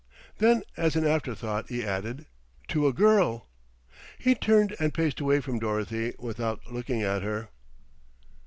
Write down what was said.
Then as an after thought he added, "to a girl?" He turned and paced away from Dorothy without looking at her.